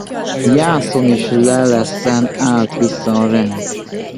Jászón és Leleszen állt vissza a rend.